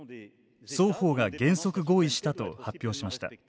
双方が原則合意したと発表しました。